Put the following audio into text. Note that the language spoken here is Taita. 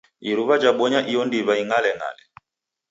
Iruw'a jabonya iyo ndiw'a ing'aleng'ale.